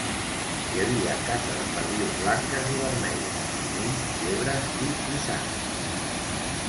Hi havia caça de perdius blanques i vermelles, conills, llebres i isards.